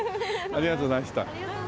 ありがとうございます。